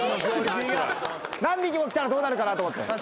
何匹も来たらどうなるかなと思って。